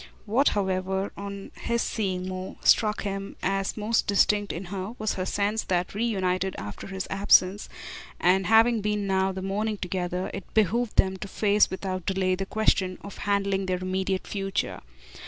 What, however, on his seeing more, struck him as most distinct in her was her sense that, reunited after his absence and having been now half the morning together, it behooved them to face without delay the question of handling their immediate future.